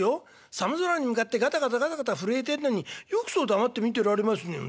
寒空に向かってガタガタガタガタ震えてんのによくそう黙って見てられますね。